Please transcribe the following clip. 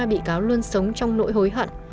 bị cáo luôn sống trong nỗi hối hận